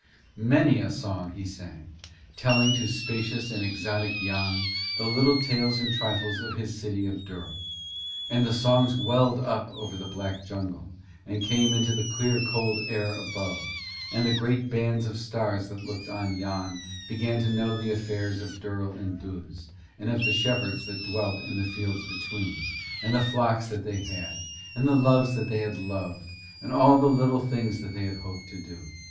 Many a song he sang, telling to spacious and exotic Yann the little tales and trifles of his city of Durl. And the songs welled up over the black jungle and came into the clear cold air above, and the great bands of stars that looked on Yann began to know the affairs of Durl and Duz, and of the shepherds that dwelt in the fields between, and the flocks that they had, and the loves that they had loved, and all the little things that they hoped to do.